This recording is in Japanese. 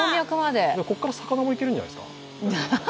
ここから魚もイケるんじゃないですか？